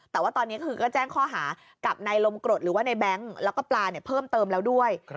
แต่ว่าตอนนี้คือก็แจ้งข้อหากับนายลมกรดหรือว่าในแบงค์แล้วก็ปลาเพิ่มเติมแล้วด้วย